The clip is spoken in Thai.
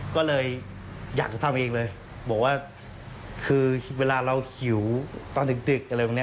ก็เลยอยากจะทำเองเลยบอกว่าคือเวลาเราหิวตอนดึกอะไรแบบนี้